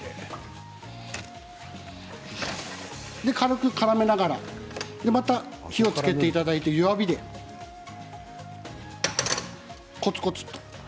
軽くからめながらまた火をつけていただいて弱火でこつこつ。